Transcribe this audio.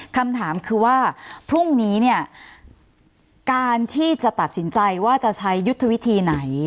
คำถามคือว่าพรุ่งนี้เนี่ยการที่จะตัดสินใจว่าจะใช้ยุทธวิธีไหน